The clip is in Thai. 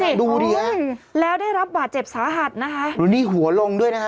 นี่ดูสิโอ้ยแล้วได้รับหวาดเจ็บสาหัสนะคะคุณผู้ชมหัวลงด้วยนะคะ